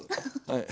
はい。